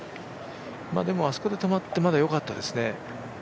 でもあそこで止まってまだよかったですね。